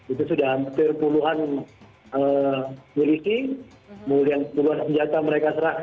itu sudah hampir puluhan milisi puluhan senjata mereka serahkan